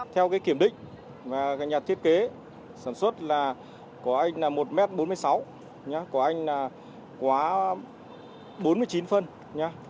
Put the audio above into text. theo kiểm định nhà thiết kế sản xuất là có anh là một m bốn mươi sáu có anh là quá bốn mươi chín phân